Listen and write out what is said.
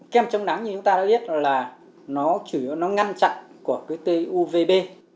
kem chống nắng như chúng ta đã biết là nó ngăn chặn của cái tê uvb